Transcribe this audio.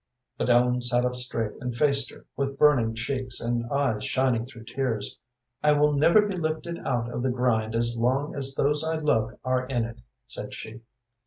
But Ellen sat up straight and faced her, with burning cheeks, and eyes shining through tears. "I will never be lifted out of the grind as long as those I love are in it," said she.